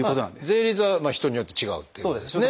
税率は人によって違うっていうことですね。